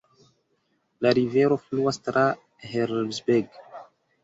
La rivero fluas tra Herzberg.